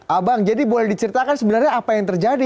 abang jadi boleh diceritakan sebenarnya apa yang terjadi